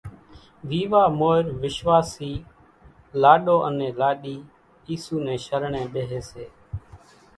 ويوا مورِ وِشواشِي لاڏو انين لاڏِي اِيسُو نين شرڻين ٻيۿيَ سي۔